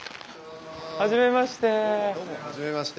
はじめまして。